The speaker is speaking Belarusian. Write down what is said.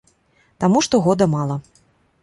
Таму што года мала.